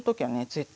絶対